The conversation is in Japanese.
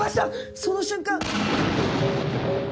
その瞬間。